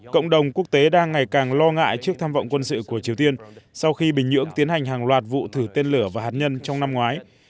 cộng đồng quốc tế đang ngày càng lo ngại trước tham vọng quân sự của triều tiên sau khi bình nhưỡng tiến hành hàng loạt vụ thử tên lửa và hạt nhân trong năm ngoái